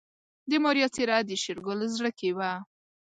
د ماريا څېره د شېرګل زړه کې وه.